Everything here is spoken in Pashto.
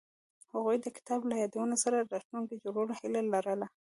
هغوی د کتاب له یادونو سره راتلونکی جوړولو هیله لرله.